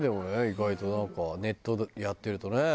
意外となんかネットやってるとね。